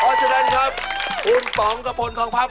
เพราะฉะนั้นครับคุณป๋องกระพลทองพับ